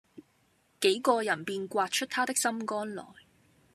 幾個人便挖出他的心肝來，